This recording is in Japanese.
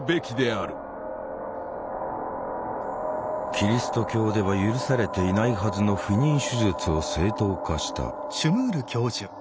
キリスト教では許されていないはずの不妊手術を正当化した。